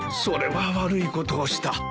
それは悪いことをした。